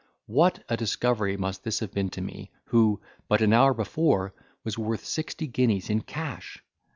What a discovery must this have been to me, who, but an hour before, was worth sixty guineas in cash!